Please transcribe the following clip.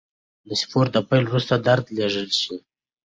د سپورت د پیل وروسته درد لږ شي.